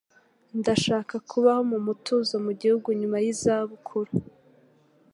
Ndashaka kubaho mu mutuzo mu gihugu nyuma yizabukuru